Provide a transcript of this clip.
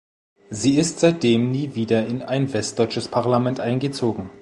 Sie ist seitdem nie wieder in ein westdeutsches Parlament eingezogen.